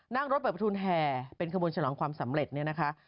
นั่งรถแบบประทูลแห่เป็นขบวนฉลองความสำเร็จเนี่ยนะคะ